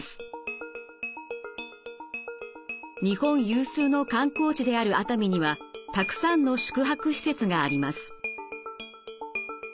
日本有数の観光地である熱海にはたくさんの宿泊施設があります。